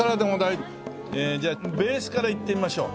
ええじゃあベースからいってみましょう。